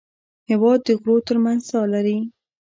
هېواد د غرو تر منځ ساه لري.